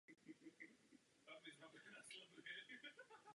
Byl autorem mnoha článků o zemědělství.